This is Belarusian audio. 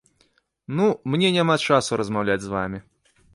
Ну, мне няма часу размаўляць з вамі.